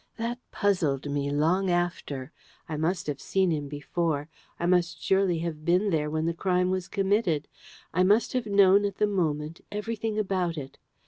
That puzzled me long after. I must have seen him before: I must surely have been there when the crime was committed. I must have known at the moment everything about it.